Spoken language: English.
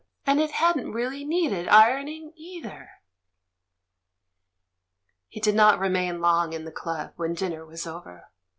And it hadn't really needed ironing either ! He did not remain long in the Club when din ner was over.